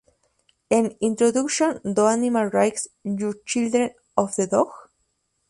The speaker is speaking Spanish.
En "Introduction to Animal Rights: Your Child or the Dog?